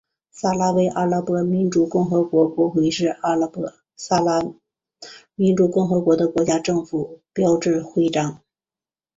撒拉威阿拉伯民主共和国国徽是阿拉伯撒哈拉民主共和国的国家政府标志徽章。